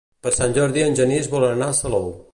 Per Sant Jordi en Genís vol anar a Salou.